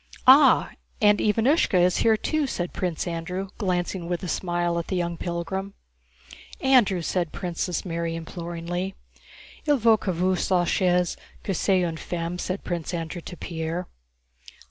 "Ah, and Ivánushka is here too!" said Prince Andrew, glancing with a smile at the young pilgrim. "Andrew!" said Princess Mary, imploringly. "Il faut que vous sachiez que c'est une femme," * said Prince Andrew to Pierre.